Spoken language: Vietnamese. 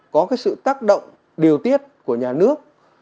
có cái sự tác động điều tiết của nhà nước